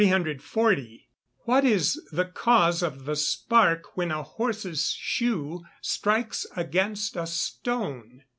_What is the cause of the spark when a horse's shoe strikes against a stone?